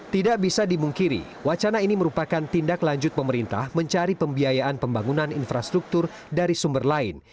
tidak bisa dimungkiri wacana ini merupakan tindak lanjut pemerintah mencari pembiayaan pembangunan infrastruktur dari sumber lain